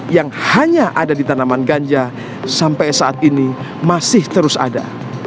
yang hanya ada di tanaman ganja sampai saat ini masih terus ada